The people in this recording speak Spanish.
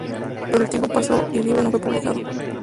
Pero el tiempo pasó y el libro no fue publicado.